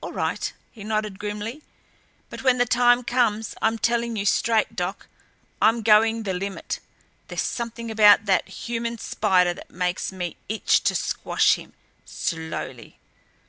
"All right," he nodded, grimly. "But when the time comes I'm telling you straight, Doc, I'm going the limit. There's something about that human spider that makes me itch to squash him slowly."